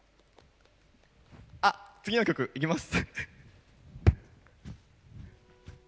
あ、次の曲いきます。